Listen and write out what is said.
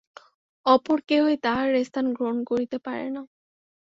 অপর কেহই তাঁহার স্থান গ্রহণ করিতে পারে না।